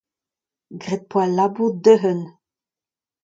Graet az poa al labour da-unan.